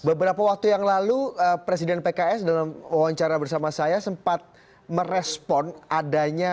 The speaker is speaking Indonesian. beberapa waktu yang lalu presiden pks dalam wawancara bersama saya sempat merespon adanya